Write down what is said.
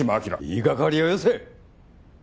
言いがかりはよせ！